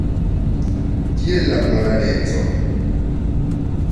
Kie la moraleco?